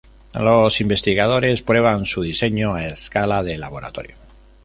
Los investigadores prueban su diseño a escala de laboratorio.